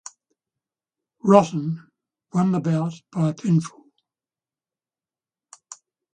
Rotten won the bout by pinfall.